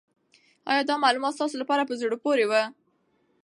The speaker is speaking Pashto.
آیا دا معلومات ستاسو لپاره په زړه پورې وو؟